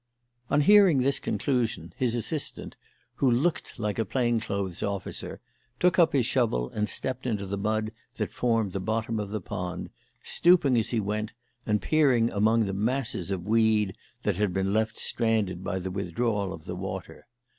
On hearing this conclusion, his assistant, who looked like a plain clothes officer, took up his shovel and stepped into the mud that formed the bottom of the pond, stooping as he went and peering among the masses of weed that had been left stranded by the withdrawal of the water.